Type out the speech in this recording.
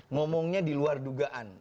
ngomongnya di luar dugaan